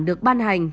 được ban hành